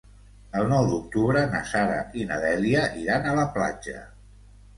El nou d'octubre na Sara i na Dèlia iran a la platja.